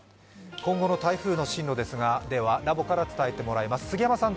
今後の台風の進路ですがラボから伝えてもらいます。